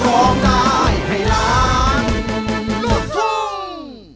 โอ๊ยอินโทร